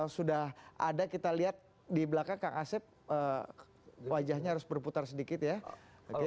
sudah ada kita lihat di belakang kang asep wajahnya harus berputar sedikit ya